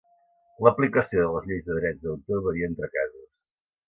L'aplicació de les lleis de drets d'autor varia entre casos.